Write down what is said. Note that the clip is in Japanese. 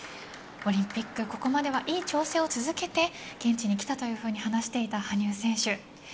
オリンピックここまではいい調整を続けて現地に来たというふうに話していた羽生選手。